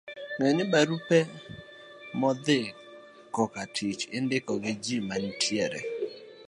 Ng'e ni, barupe modhi kokatich indiko gi ji manitiere e